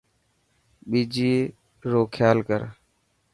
ٻيجي رو کيال ڪر.